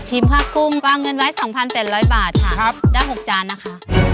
ทีมข้ากุ้งปลาเงินไว้สองพันเป็นร้อยบาทค่ะครับได้หกจานนะคะ